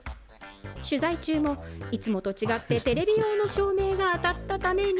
取材中も、いつもと違ってテレビ用の照明が当たったために。